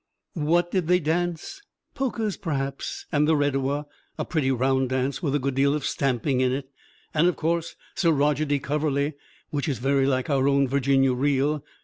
What did they dance? Polkas, perhaps, and the redowa, a pretty round dance with a good deal of stamping in it; and of course Sir Roger de Coverley, which is very like our Virginia Reel.